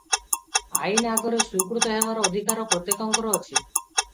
ଆଇନ ଆଗରେ ସ୍ୱୀକୃତ ହେବାର ଅଧିକାର ପ୍ରତ୍ୟେକଙ୍କର ଅଛି ।